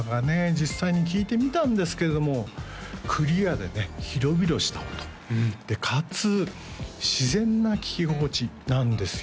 実際に聴いてみたんですけれどもクリアでね広々した音でかつ自然な聴き心地なんですよ